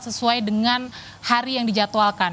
sesuai dengan hari yang dijadwalkan